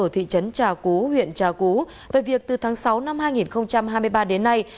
trà cú huyện trà cú về việc từ tháng sáu năm hai nghìn hai mươi ba đến nay